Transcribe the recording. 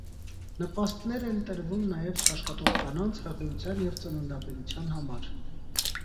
Նպաստներ են տրվում նաև չաշխատող կանանց՝ հղիության և ծննդաբերության համար։